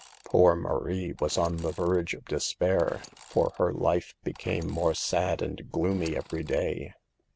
Poor Marie was on the verge of despair, for her life became more sad and gloomy every day.